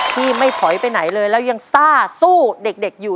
ที่ไม่ถอยไปไหนเลยแล้วยังซ่าสู้เด็กอยู่